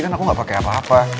kan aku gak pakai apa apa